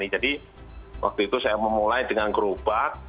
jadi waktu itu saya memulai dengan gerobak